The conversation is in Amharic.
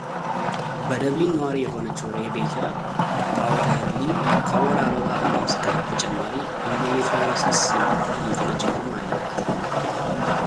በደብሊን ነዋሪ የሆነችው ሬቤካ ፓውደርሊ ከወር አበባ ህመም ስቃይ በተጨማሪ ኢንዶሜትሪዮሲስ የሚባል የጤና ችግርም አለባት።